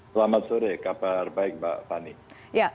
selamat sore kabar baik mbak fani